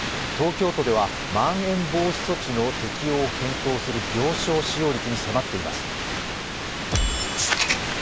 東京都ではまん延防止措置の適応を検討する病床使用率に迫っています。